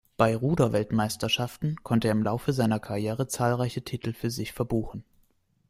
Bei Ruder-Weltmeisterschaften konnte er im Laufe seiner Karriere zahlreiche Titel für sich verbuchen.